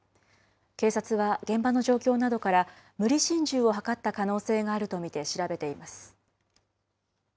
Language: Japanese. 警察は現場の状況などから、無理心中を図った可能性があると見て調べています。